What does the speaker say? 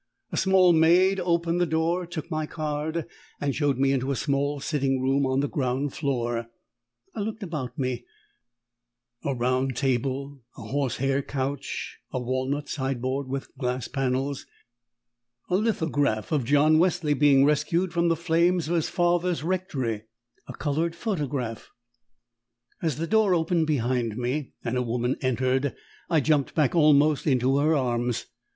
A small maid opened the door, took my card, and showed me into a small sitting room on the ground floor. I looked about me a round table, a horsehair couch, a walnut sideboard with glass panels, a lithograph of John Wesley being rescued from the flames of his father's rectory, a coloured photograph As the door opened behind me and a woman entered, I jumped back almost into her arms.